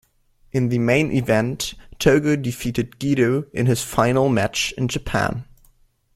In the main event Togo defeated Gedo in his final match in Japan.